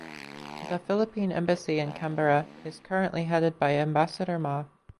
The Philippine Embassy in Canberra is currently headed by Ambassador Ma.